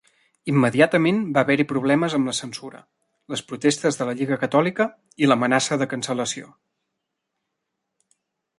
Immediatament va haver-hi problemes amb la censura, les protestes de la lliga catòlica i l'amenaça de cancel·lació.